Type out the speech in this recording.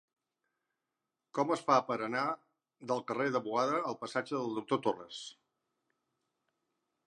Com es fa per anar del carrer de Boada al passatge del Doctor Torres?